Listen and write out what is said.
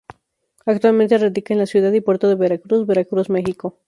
Actualmente radica en la ciudad y puerto de Veracruz, Veracruz, Mexico.